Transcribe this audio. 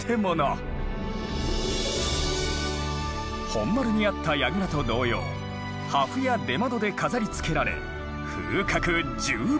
本丸にあった櫓と同様破風や出窓で飾りつけられ風格十分だ。